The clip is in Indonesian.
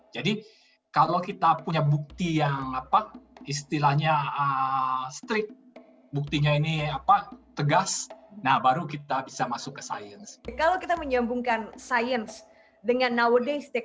jadi kalau kita punya bukti yang istilahnya strik buktinya ini tegas baru kita bisa masuk ke sains